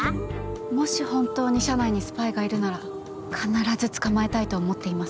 もし本当に社内にスパイがいるなら必ず捕まえたいと思っています。